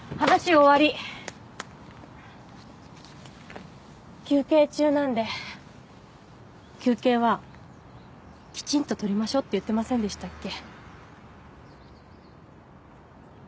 終わり休憩中なんで休憩はきちんと取りましょうって言ってませんでしたっけ？